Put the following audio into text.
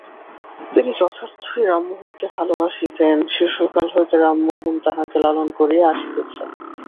তিনি যথার্থই রামমোহনকে ভালোবাসিতেন, শিশুকাল হইতে রামমোহন তাঁহাকে পালন করিয়া আসিতেছে।